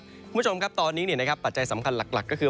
คุณผู้ชมครับตอนนี้ปัจจัยสำคัญหลักก็คือ